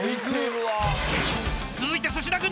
［続いて粗品軍。